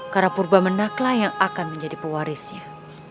karena purba menaklah yang akan menjadi pewarisnya